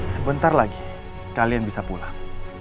sebentar lagi kalian bisa pulang